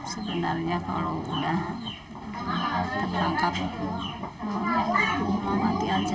sebenarnya kalau sudah terpangkap mau mati aja